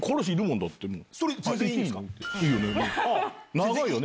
長いよね！